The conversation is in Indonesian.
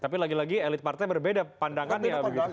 tapi lagi lagi elit partai berbeda pandangannya begitu